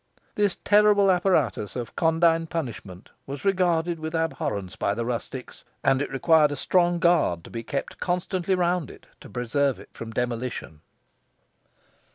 This terrible apparatus of condign punishment was regarded with abhorrence by the rustics, and it required a strong guard to be kept constantly round it to preserve it from demolition.